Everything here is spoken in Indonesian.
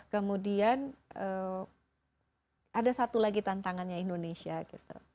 kemudian ada satu lagi tantangannya indonesia gitu